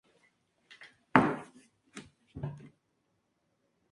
Se sirve tradicionalmente con "pide", verduras a la parrilla y mantequilla derretida.